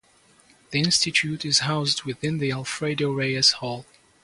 The institute is housed within the Alfredo Reyes Hall.